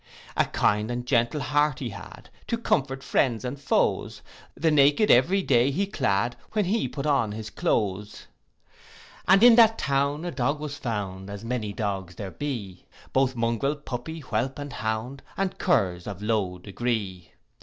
A kind and gentle heart he had, To comfort friends and foes; The naked every day he clad, When he put on his cloaths. And in that town a dog was found, As many dogs there be, Both mungrel, puppy, whelp, and hound, And curs of low degree.